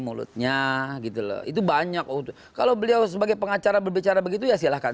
mulutnya gitu loh itu banyak kalau beliau sebagai pengacara berbicara begitu ya silahkan